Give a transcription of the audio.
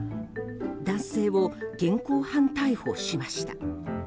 男性を現行犯逮捕しました。